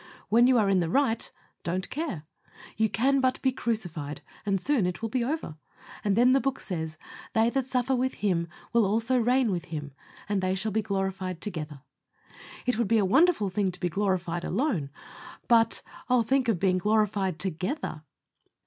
When you are in the right, don't care. You can but be crucified, and it will soon be over; and then the Book says, "They that suffer with Him will also reign with Him, and they shall be glorified together." It would be a wonderful thing to be glorified alone, but, oh, think of being glorified together!